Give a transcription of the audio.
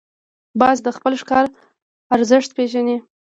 باز د خپل ښکار ارزښت پېژني